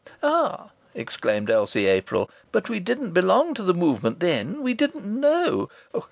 "Ah!" exclaimed Elsie April. "But we didn't belong to the Movement then! We didn't know....